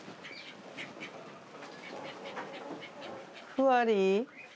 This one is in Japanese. ふわり？